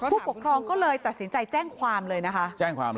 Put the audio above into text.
ผู้ปกครองก็เลยตัดสินใจแจ้งความเลยนะคะ